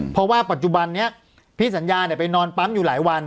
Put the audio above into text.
เพราะว่าปัจจุบันนี้พี่สัญญาไปนอนปั๊มอยู่หลายวัน